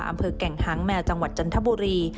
อำเภอแก่งหางแมวจังหวัดจันทบุรี